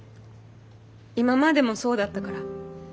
今までもそうだったから。